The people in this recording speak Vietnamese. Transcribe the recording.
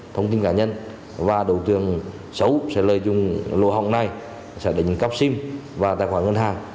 thông tin cá nhân và đối tượng xấu sẽ lợi dụng lô hỏng này sẽ đỉnh cấp sim và tài khoản ngân hàng